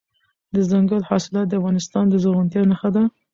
دځنګل حاصلات د افغانستان د زرغونتیا نښه ده.